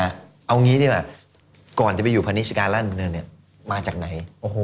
เอาอย่างนี้ดีแหละก่อนจะไปอยู่พนิชยาการร่านจนดำเนินเนี่ยมาจากไหน